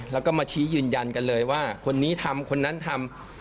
แล้วก็มาชี้ยืนยันกันเลยว่าคนนี้ทำคนนั้นทำ